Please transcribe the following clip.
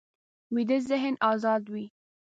ویده ذهن ازاد وي